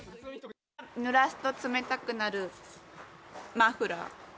ぬらすと冷たくなるマフラー。